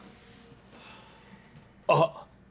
あっ！